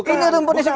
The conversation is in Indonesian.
ini rumput eskutif